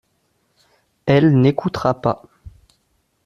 Elle n'écoutera pas.